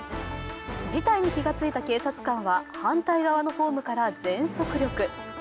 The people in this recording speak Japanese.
事態に気がついた警察官は反対側のホームから全速力。